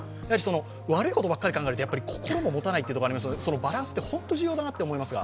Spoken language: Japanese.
悪いことばかり考えると心ももたないことがあるのでそのバランスって本当に重要だなと思いますが。